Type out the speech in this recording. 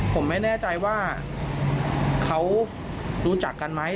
ผมไม่แน่ใจว่าเขารู้จักกันไหม